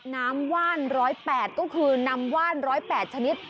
ว่าน๑๐๘ก็คือนำว่าน๑๐๘ชนิด